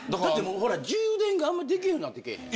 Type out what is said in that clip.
充電があんま出来へんようになってけぇへん？